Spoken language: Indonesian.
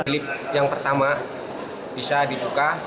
lift yang pertama bisa dibuka